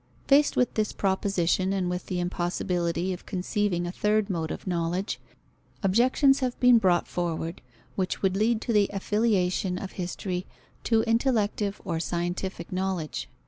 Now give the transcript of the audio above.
Faced with this proposition and with the impossibility of conceiving a third mode of knowledge, objections have been brought forward which would lead to the affiliation of history to intellective or scientific knowledge.